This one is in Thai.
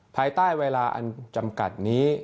ภายใต้เวลาอันจำกัดนี้